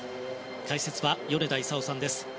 解説は、米田功さんです。